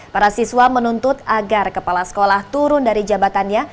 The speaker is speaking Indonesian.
para siswa menuntut agar kepala sekolah turun dari jabatannya